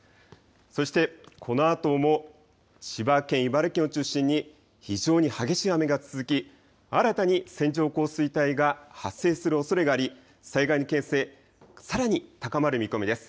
そしてこのあとも千葉県、茨城県を中心に非常に激しい雨が続き新たに線状降水帯が発生するおそれがあり災害の危険性、さらに高まる見込みです。